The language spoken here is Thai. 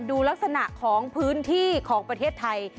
ดูลักษณะของพื้นที่ของประเทศไทย